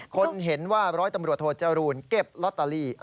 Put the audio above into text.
คนเห็นว่าร้อยตำรวจโทจรูลเก็บลอตเตอรี่